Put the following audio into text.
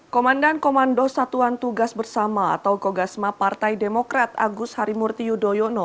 komandan komando satuan tugas bersama atau kogasma partai demokrat agus harimurti yudhoyono